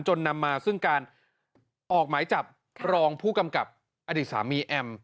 นำมาซึ่งการออกหมายจับรองผู้กำกับอดีตสามีแอม